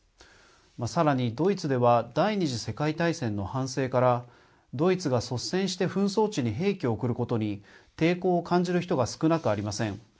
さらにドイツでは、第２次世界大戦の反省からドイツが率先して紛争地に兵器を送ることに、抵抗を感じる人が少なくありません。